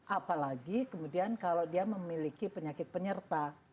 apalagi kemudian kalau dia memiliki penyakit penyerta